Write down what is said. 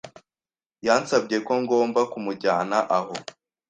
Yansabye ko ngomba kumujyana aho.